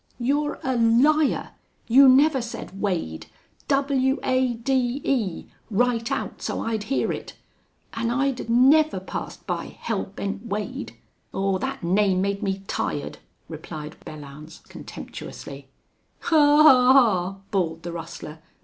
"You're a liar! You never said Wade W a d e, right out, so I'd hear it. An' I'd never passed by Hell Bent Wade." "Aw, that name made me tired," replied Belllounds, contemptuously. "Haw! Haw! Haw!" bawled the rustler.